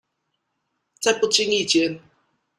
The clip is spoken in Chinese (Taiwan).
在不經意間